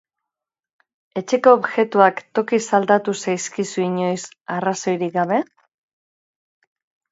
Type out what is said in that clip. Etxeko objektuak tokiz aldatu zaizkizu inoiz arrazoirik gabe?